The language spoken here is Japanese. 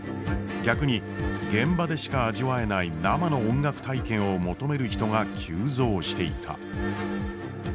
逆に現場でしか味わえない生の音楽体験を求める人が急増していた。